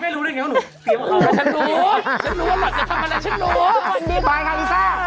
ไม่รู้ได้ยังไงว่าหนูเตรียมเคราะห์แล้วฉันรู้ฉันรู้ว่าหลอดจะทำอะไรฉันรู้